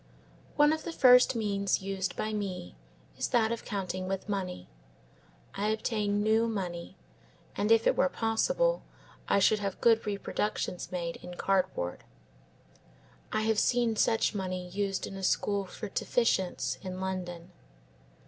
One of the first means used by me, is that of counting with money. I obtain new money, and if it were possible I should have good reproductions made in cardboard. I have seen such money used in a school for deficients in London.